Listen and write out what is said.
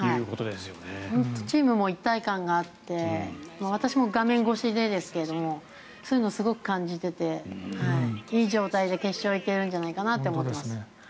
チームも一体感があって私も画面越しでですけれどそういうのをすごく感じていていい状態で決勝に行けるんじゃないかなと思います。